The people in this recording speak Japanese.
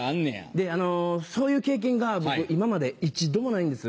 でそういう経験が僕今まで一度もないんです。